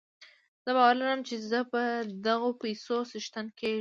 زه باور لرم چې زه به د دغو پيسو څښتن کېږم.